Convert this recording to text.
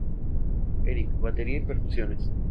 Eric: batería y percusiones.